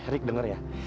ri denger ya